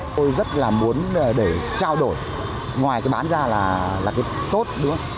tôi rất là muốn để trao đổi ngoài cái bán ra là cái tốt đúng không